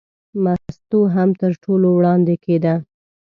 مستو هم تر ټولو وړاندې کېده.